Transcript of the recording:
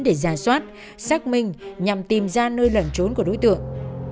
để giả soát xác minh nhằm tìm ra nơi lần trốn của đối tượng